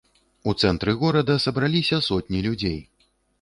У цэнтры горада сабраліся сотні людзей.